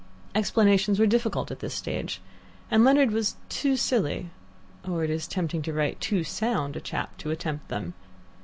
Explanations were difficult at this stage, and Leonard was too silly or it is tempting to write, too sound a chap to attempt them.